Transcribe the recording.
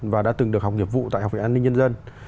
và đã từng được học nghiệp vụ tại học viện an ninh nhân dân